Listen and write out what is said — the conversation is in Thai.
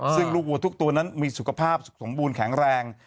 ซึ่งลูกวัวทุกตัวนั้นมีสุขภาพสมบูรณ์แข็งแรง